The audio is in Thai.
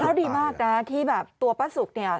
เพราะดีมากนะที่แบบตัวป้าสุกเนี่ย